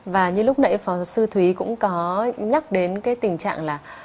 và như lúc nãy phó sư thúy cũng có nhắc đến cái tình trạng là